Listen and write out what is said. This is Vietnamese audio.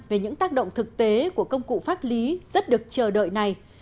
về những tác động thực tế của công cụ pháp lý rất được chờ đợi này